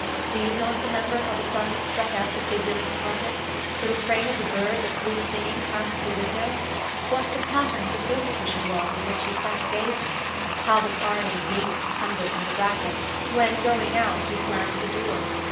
Do you not remember how the sun struck out the figure in the carpet? The refrain of the bird that flew singing past the window ? What the pattern of the sofa cushion was on which you sat gazing ? How the Parian Venus tumbled from the bracket, when, going out, he slammed the door?